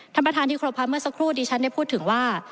ท่านประธานที่ครบค่ะเมื่อสักครู่ดิฉันได้พูดถึงว่า